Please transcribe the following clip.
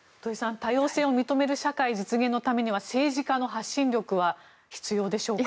多様性を認める社会の実現のためには政治家の発信力が必要でしょうか。